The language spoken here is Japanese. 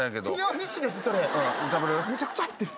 めちゃくちゃ入ってる。